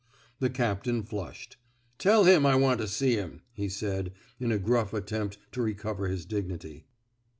The captain flushed. Tell him I want to see him," he said, in a graff attempt to recover his dignity.